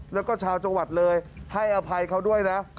แล้วก็ชาวจังหวัดเลยให้อภัยเขาด้วยนะ